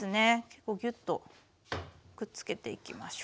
結構ギュッとくっつけていきましょう。